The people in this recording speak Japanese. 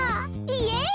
イエイ！